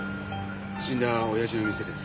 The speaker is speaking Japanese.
死んだ親父の店です。